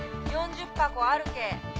４０箱あるけぇ。